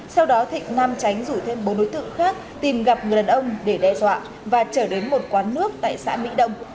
sau đó thịnh nam tránh rủ thêm bốn đối tượng khác tìm gặp người đàn ông để đe dọa và trở đến một quán nước tại xã mỹ đông